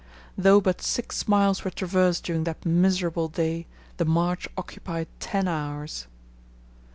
Though but six miles were traversed during that miserable day, the march occupied ten hours.